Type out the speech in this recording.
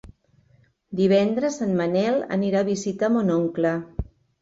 Divendres en Manel anirà a visitar mon oncle.